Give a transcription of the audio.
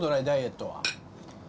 ダイエットは。